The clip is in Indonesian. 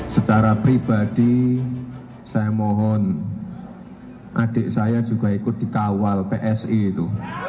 secara pribadi saya mohon adik saya juga ikut dikawal psi itu